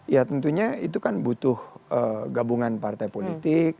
ya tentunya itu kan butuh gabungan partai politik